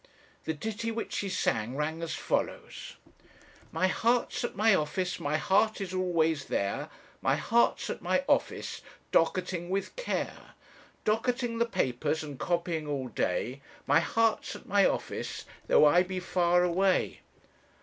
The ditty which she sang ran as follows: My heart's at my office, my heart is always there My heart's at my office, docketing with care; Docketing the papers, and copying all day, My heart's at my office, though I be far away.